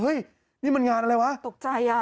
นี่มันงานอะไรวะตกใจอ่ะ